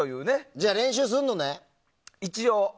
じゃあ練習するのね。